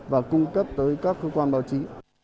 và cung cấp tới các cơ quan báo chí